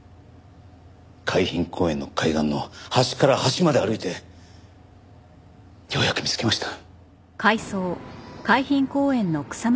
海浜公園の海岸の端から端まで歩いてようやく見つけました。